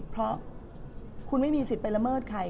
เพราะคุณไม่มีสิทธิ์ไปละเมิดใคร